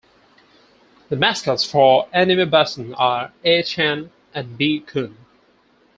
The mascots for Anime Boston are A-chan and B-kun.